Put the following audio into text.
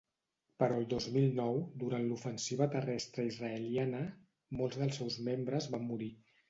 Però el dos mil nou, durant l’ofensiva terrestre israeliana, molts dels seus membres van morir.